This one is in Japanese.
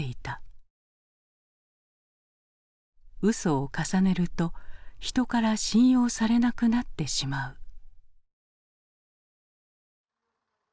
うそを重ねると人から信用されなくなってしまう。